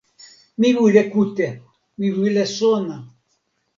mi wile kute! mi wile sona!